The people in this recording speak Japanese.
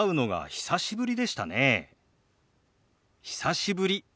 久しぶり。